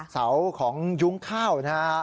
เสาของยุ้งข้าวนะฮะ